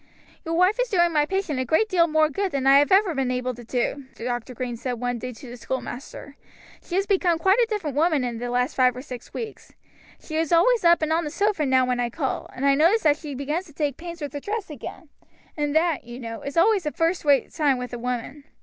"Your wife is doing my patient a great deal more good than I have ever been able to do," Dr. Green said one day to the schoolmaster. "She has become quite a different woman in the last five or six weeks. She is always up and on the sofa now when I call, and I notice that she begins to take pains with her dress again; and that, you know, is always a first rate sign with a woman.